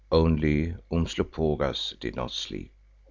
Only Umslopogaas did not sleep.